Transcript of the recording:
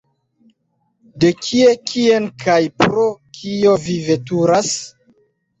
De kie, kien kaj pro kio vi veturas?